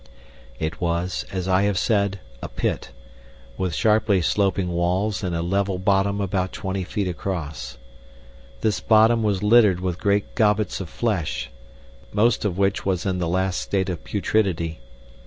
It was, as I have said, a pit, with sharply sloping walls and a level bottom about twenty feet across. This bottom was littered with great gobbets of flesh, most of which was in the last state of putridity.